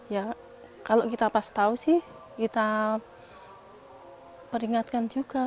ya kalau kita pas tahu sih kita peringatkan juga